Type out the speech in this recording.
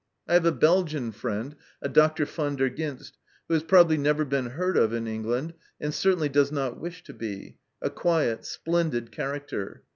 I have a Belgian friend, a Dr. Van der Ghinst, who has probably never been heard of in England, and certainly does not wish to be a quiet, splendid character.